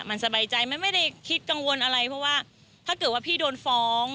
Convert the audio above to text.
มันสบายใจมันไม่ได้คิดกังวลอะไรเพราะว่าถ้าเกิดว่าพี่โดนฟ้อง